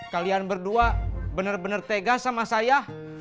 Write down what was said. kalian berdua bener bener tegas sama saya